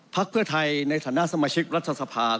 เพื่อไทยในฐานะสมาชิกรัฐสภา